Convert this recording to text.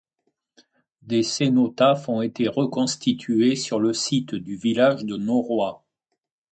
Des cénotaphes ont été reconstitués sur le site du village de Nauroy.